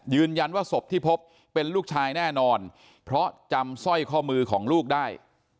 ศพที่พบเป็นลูกชายแน่นอนเพราะจำสร้อยข้อมือของลูกได้